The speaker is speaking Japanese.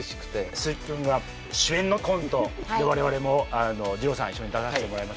鈴木君が主演のコントで我々もじろうさん一緒に出させてもらいましたけど。